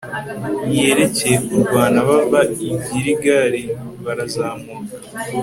yakereye kurwana bava i giligali, barazamuka